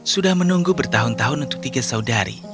sudah menunggu bertahun tahun untuk tiga saudari